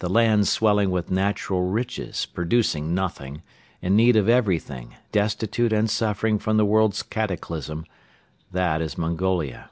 The land swelling with natural riches, producing nothing, in need of everything, destitute and suffering from the world's cataclysm: that is Mongolia.